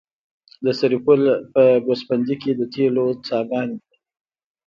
د سرپل په ګوسفندي کې د تیلو څاګانې دي.